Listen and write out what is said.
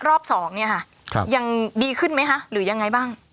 รอบสองเนี่ยค่ะยังดีขึ้นไหมคะหรือยังไงบ้าง